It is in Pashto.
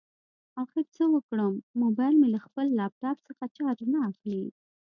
اخر څه وکړم؟ مبایل مې له خپل لاپټاپ څخه چارج نه اخلي